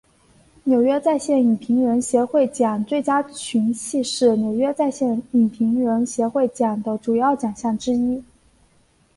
纽约在线影评人协会奖最佳群戏是纽约在线影评人协会奖的主要奖项之一。